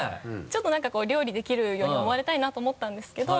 ちょっと何か料理できるように思われたいなと思ったんですけど。